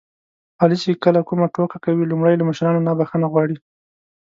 علي چې کله کومه ټوکه کوي لومړی له مشرانو نه بښنه غواړي.